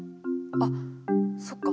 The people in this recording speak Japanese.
あっそっか。